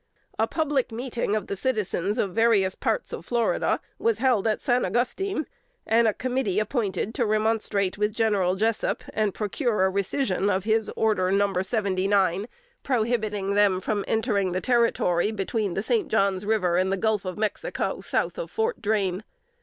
A public meeting of the citizens of various parts of Florida, was held at San Augustine, and a committee appointed to remonstrate with General Jessup, and procure a rescission of his order, No. 79, prohibiting them from entering the Territory, between the St. John's River and the Gulf of Mexico, south of Fort Drane.